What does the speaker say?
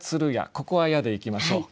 ここは「や」でいきましょう。